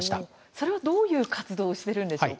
それはどういう活動をしているんですか。